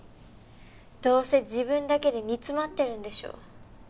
どうせ自分だけで煮詰まってるんでしょ。